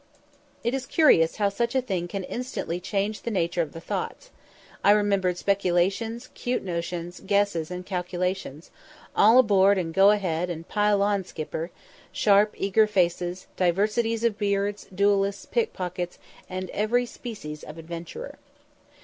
It is curious how such a thing can instantly change the nature of the thoughts. I remembered speculations, 'cute notions, guesses, and calculations; "All aboard," and "Go ahead," and "Pile on, skipper;" sharp eager faces, diversities of beards, duellists, pickpockets, and every species of adventurer.